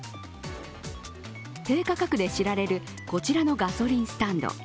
低価格で知られるこちらのガソリンスタンド。